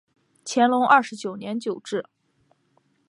乾隆二十九年置。